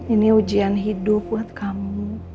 ini ujian hidup buat kamu